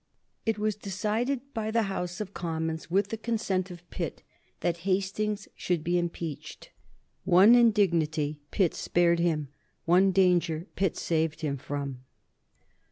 It was decided by the House of Commons, with the consent of Pitt, that Hastings should be impeached. One indignity Pitt spared him, one danger Pitt saved him from.